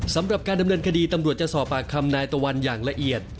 สำหรับการดำเนินคดีตำรวจจะสอบปากคำนายตะวันอย่างละเอียด